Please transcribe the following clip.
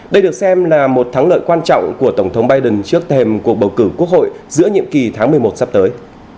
đây được xem là một thắng lợi quan trọng của tổng thống biden trước thềm cuộc bầu cử quốc hội giữa nhiệm kỳ tháng một mươi một sắp tới